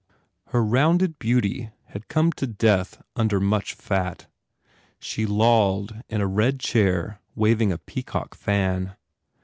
Her rounded beauty had come to death under much fat. She lolled in a red chair waving a peacock fan.